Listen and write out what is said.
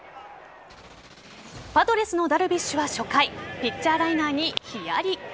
パドレスのダルビッシュは初回ピッチャーライナーにヒヤリ。